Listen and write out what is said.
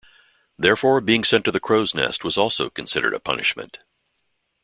Therefore, being sent to the crow's nest was also considered a punishment.